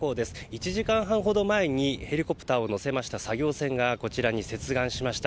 １時間半ほど前にヘリコプターを載せましたこちらの接岸しました。